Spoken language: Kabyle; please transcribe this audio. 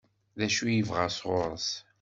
D acu i yebɣa sɣur-s?